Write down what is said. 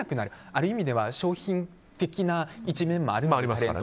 ある意味では商品的な一面もありますから。